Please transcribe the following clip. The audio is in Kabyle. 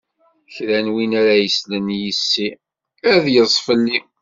Kra n win ara yeslen yis-i, ad yeḍṣ fell-i.